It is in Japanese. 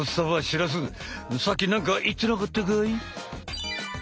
白洲さっき何か言ってなかったかい？